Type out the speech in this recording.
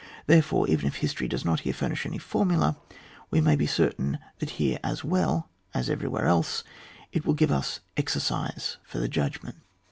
Therefore, even if history does not here furnish any formula, we may be cer tain that here as well as everywhere else, it will give us exerehefar the judgment.